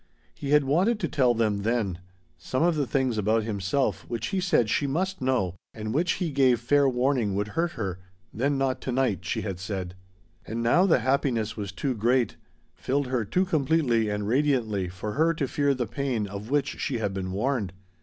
He had wanted to tell them then some of the things about himself which he said she must know and which he gave fair warning would hurt her, "Then not to night," she had said. And now the happiness was too great, filled her too completely and radiantly for her to fear the pain of which she had been warned.